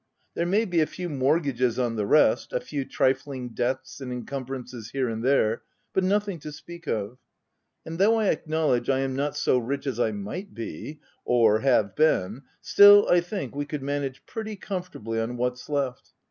There may be a few mortgages on the rest — a few trifling debts and encum brances here and there, but nothing to speak of ; and though I acknowledge I am not so rich as I might be — or have been — still, I think, we could manage pretty comfortably on what's left.